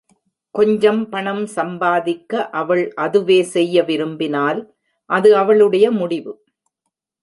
கொஞ்சம் பணம் சம்பாதிக்க அவள் அதுவே செய்ய விரும்பினால், அது அவளுடைய முடிவு.